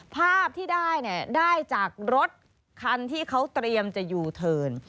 ภาพที่ได้ได้จากรถคันที่เขาเตรียมจะอยู่เถิน